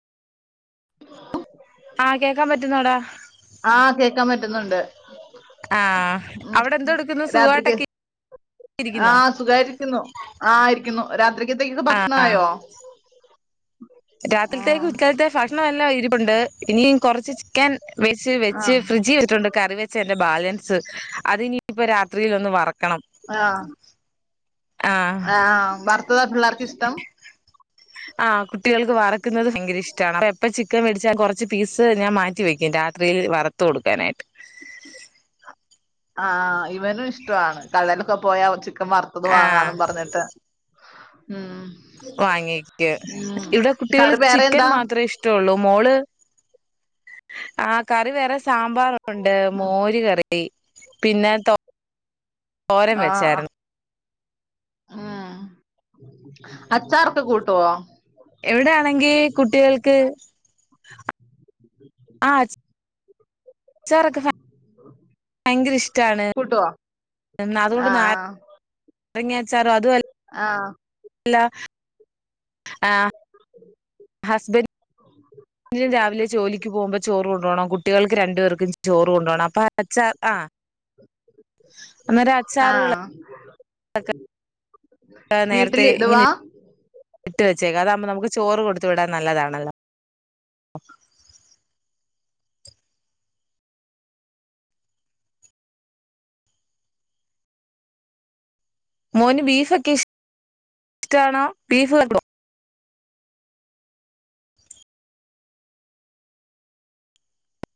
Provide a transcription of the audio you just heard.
ആ കേക്കാൻ പറ്റുന്നോടാ ക്കാൻ പറ്റുന്നൊണ്ട് ആ അവിടെ എന്തെടുക്കുന്നു സുഖായിട്ടൊക്കെ ആ സുഖായിട്ട് ഇരിക്കുന്നു ആ ഇരിക്കുന്നു രാത്രിക്കത്തേക്കൊക്കെ ഭക്ഷണായോ രാത്രിത്തേൽക്ക് ആഹ് ഉച്ചക്കൽത്തെ ഭക്ഷണം എല്ലാം ഇരിപ്പുണ്ട് ഇനീം കൊറച്ച് ചിക്കൻ വെച്ച് വെച്ച് ആഹ് ഫ്രിഡ്ജി വെച്ചിട്ടുണ്ട് കറി വെച്ചാൻ ന്റെ ബാലൻസ് അതിനി പ്പൊ രാത്രിലൊന്ന് വറക്കണം ആഹ് ആ വർ ത്തതാ പിള്ളേർക്ക് ഇഷ്ടം ആ കുട്ടികൾക്ക് വറക്ക്ന്നത് ഭയങ്കര ഇഷ്ടമാണ് അപ്പൊ എപ്പ ചി ക്കൻ മേടിച്ചാല് കൊറച്ച് പീസ് ഞാൻ മാറ്റി വെക്കും രാത്രിയിൽ വറത്ത് കൊടുക്കാനായിട്ട് ആ ഇ വനും ഇഷ്ടവാണ് കടെലൊക്കെ പോയാ അവൻ ചിക്കൻ വറുത്തത് ആഹ് വാങ്ങാന്ന് പറഞ്ഞിട്ട് ഉം വാങ്ങിക്ക് ഉം ഇവിടെ കുട്ടികള് കറി വേറെ ചിക്കൻ എന്താ മാത്രേ ഇഷ്ടള്ളൂ മോള് ആ കറി വേറെ സാമ്പാറ് ണ്ട് മോര് കറി പിന്നെ തോ രൻ വെച്ചായിരുന്നു ആ അച്ചാറൊക്കെ കൂട്ടുവോ ഇവിടെ ആണെങ്കിൽ കുട്ടികൾക്ക് ആ അച് ചാറൊക്കെ [unintelligible] ഭയങ്കര ഇഷ്ടാണ് കൂട്ടുവോ എന്ന അതുകൊണ്ട് നാ ആഹ് രങ്ങാ ച്ചാർ അതു അ ആഹ് ല്ല ആ ഹസ്ബൻ ഡിന് രാവിലെ ജോലിക്ക് പോവുമ്പോ ചോറ് കൊണ്ടു പോണം കുട്ടികൾക്ക് രണ്ടുപേർ ക്കും ചോറ് കൊണ്ടോണം അപ്പ ച്ചാർ ആ അന്നേരം ആ അച്ചാറുകൾ നേരത്തെ വീട്ടില് ഇങ്ങനെ ഇടുവാ? ഇട്ട് വെച്ചേക്കാ അതാകുമ്പോ നമുക്ക് ചോറ് കൊടുത്ത് വിടാൻ നല്ലതാണല്ലോ മോന് ബീഫൊക്കെഷ് ടാണോ ബീഫ് [unintelligible]